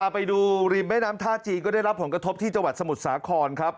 ไปดูริมแม่น้ำท่าจีนก็ได้รับผลกระทบที่จังหวัดสมุทรสาครครับ